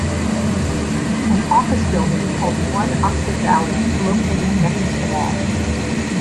An office building called One Oxford Valley is located next to the mall.